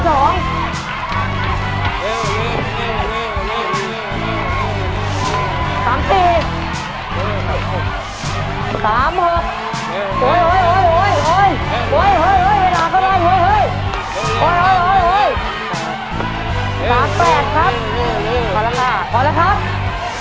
พอแล้วครับ